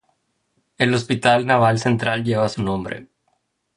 El Hospital Naval Central lleva su nombre.